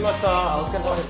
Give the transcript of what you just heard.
お疲れさまです。